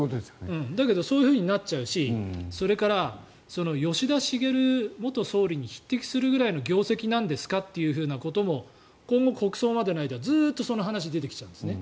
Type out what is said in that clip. だけどそうなっちゃうしそれから、吉田茂元総理に匹敵するぐらいの業績なんですかということも今後、国葬までの間ずっと出てきちゃうんですね。